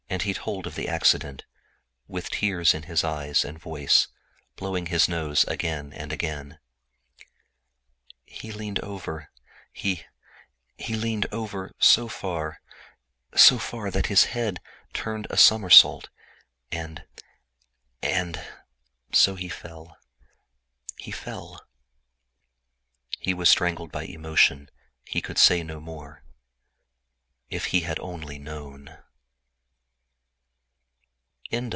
He told of the accident, with tears in his eyes, and a husky voice, blowing his nose again and again: "He leaned over—he—he leaned over—so far—so far that his head turned a somersault; and—and—so he fell—he fell—" Choked with emotion, he could say no more. If he had only known!